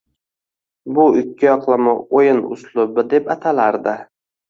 Bu ikkiyoqlama o`yin uslubi deb atalardi